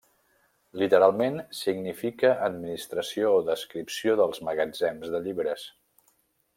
Literalment significa administració o descripció dels magatzems de llibres.